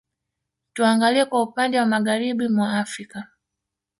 Tuangalie kwa upande wa Magharibi mwa Afrika